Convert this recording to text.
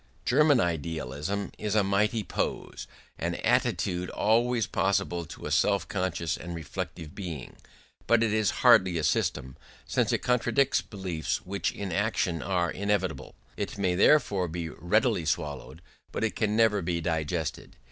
German idealism is a mighty pose, an attitude always possible to a self conscious and reflective being: but it is hardly a system, since it contradicts beliefs which in action are inevitable; it may therefore be readily swallowed, but it can never be digested.